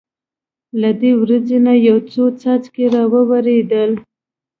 له دې وریځې نه یو څو څاڅکي را وورېدل.